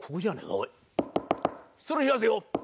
失礼しますよ！